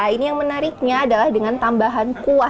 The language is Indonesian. ini yang menariknya adalah dengan tambahan kuah